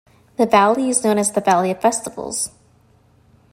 The Valley is known as "The Valley of Festivals".